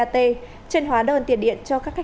trên hóa đơn tiền điện cho